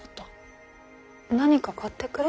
何か買ってくれ？